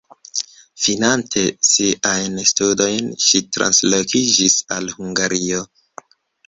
Finante siajn studojn ŝi translokiĝis al Hungario.